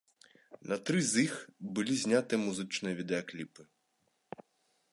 На тры з іх былі зняты музычныя відэакліпы.